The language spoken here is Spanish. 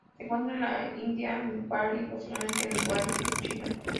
Se encuentra en la India, Nepal y, posiblemente en Bután y China.